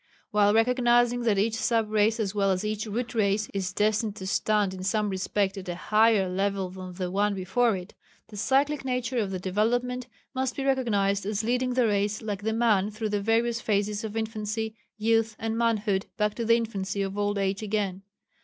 While recognizing that each sub race as well as each Root Race is destined to stand in some respects at a higher level than the one before it, the cyclic nature of the development must be recognized as leading the race like the man through the various phases of infancy, youth, and manhood back to the infancy of old age again.